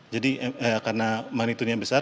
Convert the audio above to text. jadi karena magnitudenya besar